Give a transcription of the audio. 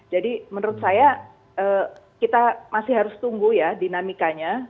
jadi menurut saya kita masih harus tunggu ya dinamikanya